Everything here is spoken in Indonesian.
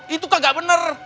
itu kan gak bener